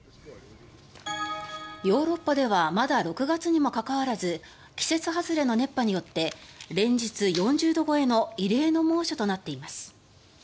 ヨーロッパではまだ６月にもかかわらず季節外れの熱波によって連日４０度超えの異例の猛暑となっています。